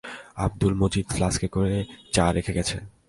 আব্দুল মজিদ ফ্লাস্কে করে চা রেখে গেছে।